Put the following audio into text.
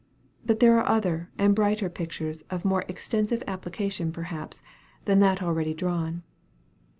But there are other and brighter pictures, of more extensive application, perhaps, than that already drawn.